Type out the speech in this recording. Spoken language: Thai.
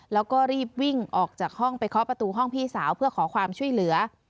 แล้วก็รีบวิ่งออกจากห้องไปเคาะประตูห้องพี่สาวเพื่อขอความช่วยเหลือ